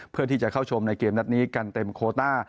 เพื่อที่จะเข้าชมในเกมนัดนี้กันเต็มโคต้า